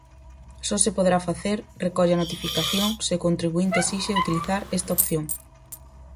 Só se poderá facer, recolle a notificación, se o contribuínte esixe utilizar esta opción.